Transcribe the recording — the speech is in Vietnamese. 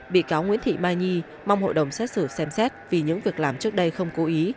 bị cáo nguyễn thị mai nhi mong hội đồng xét xử xem xét vì những việc làm trước đây không cố ý